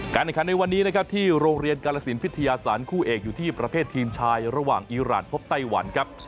ในขันในวันนี้นะครับที่โรงเรียนกาลสินพิทยาศาลคู่เอกอยู่ที่ประเภททีมชายระหว่างอีรานพบไต้หวันครับ